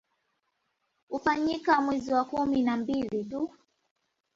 Hufanyika mwezi wa kumi na mbili tu